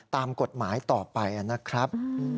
ตามกฎหมายต่อไปนะครับ